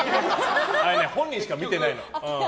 あれ本人しか見てないの。